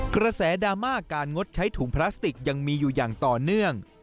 กระแสดราม่าการงดใช้ถุงพลาสติกยังมีอยู่อย่างต่อเนื่อง